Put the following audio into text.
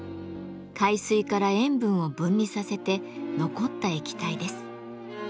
海水から塩分を分離させて残った液体です。